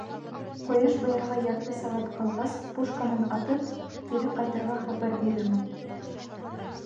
Ҡояш байырға ярты сәғәт ҡалғас, пушканан атып, кире ҡайтырға хәбәр бирермен.